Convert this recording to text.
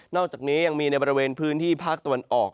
อกจากนี้ยังมีในบริเวณพื้นที่ภาคตะวันออก